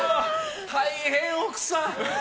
大変奥さん。